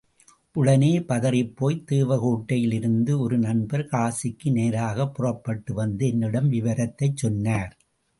உடனே பதறிப் போய் தேவகோட்டையில் இருந்து ஒரு நண்பர் காசிக்கு நேராகப் புறப்பட்டு வந்து என்னிடம் விவரத்தைச் சொன்னார்.